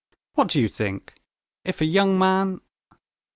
_ What did you think, if a young man...."